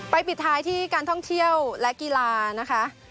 ปิดท้ายที่การท่องเที่ยวและกีฬานะคะ